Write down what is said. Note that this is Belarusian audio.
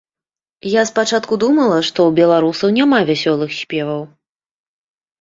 Я спачатку думала, што у беларусаў няма вясёлых спеваў.